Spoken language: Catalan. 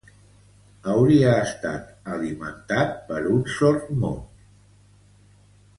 Hauria estat alimentat per un sordmut.